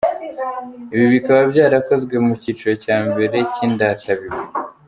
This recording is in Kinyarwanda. Ibi bikaba byarakozwe mu cyiciro cya mbere cy’Indatabigwi.